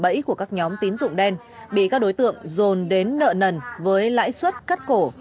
bẫy của các nhóm tín dụng đen bị các đối tượng dồn đến nợ nần với lãi suất cắt cổ